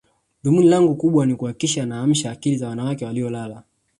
Dhumuni langu kubwa ni kuhakikisha naamsha akili za wanawake waliolala